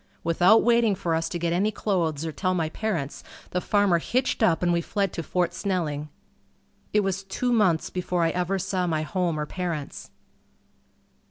Without waiting for us to get any clothes or tell my parents, the farmer hitched up and we fled to Fort Snelling. It was two months before I ever saw my home or parents.